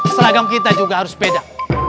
seragam kita juga harus beda